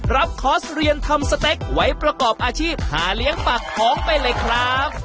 คอสเรียนทำสเต็กไว้ประกอบอาชีพหาเลี้ยงปากท้องไปเลยครับ